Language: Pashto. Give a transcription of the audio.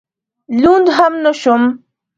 لوند هم نه شوم.